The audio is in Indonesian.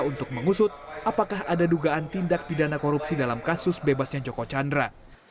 untuk mengusut apakah ada dugaan tindak pidana korupsi dalam kasus bebasnya joko chandra